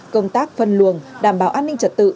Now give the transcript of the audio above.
công tác phân luồng đảm bảo an ninh trật tự